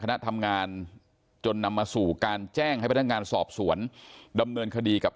คณะทำงานจนนำมาสู่การแจ้งให้พนักงานสอบสวนดำเนินคดีกับ